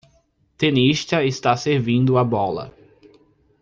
Tenista está servindo a bola.